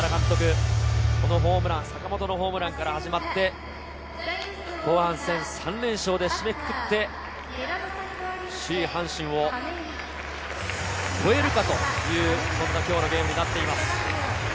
腕を組む原監督、坂本のホームランから始まって、後半戦３連勝で締めくくって、首位・阪神を超えるかという今日のゲームとなっています。